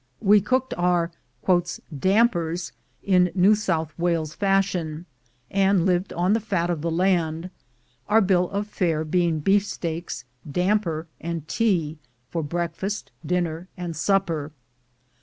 We cooked our "dampers" in New South Wales fashion, and lived on the fat of the land, our bill of fare being beefsteaks, dam per, and tea for breakfast, dinner, and supper.